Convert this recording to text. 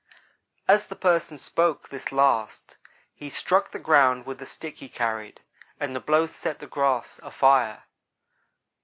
"' "As the 'person' spoke this last, he struck the ground with a stick he carried, and the blow set the grass afire.